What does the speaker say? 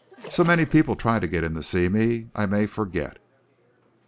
"So many people try to get in to see me, and I may forget."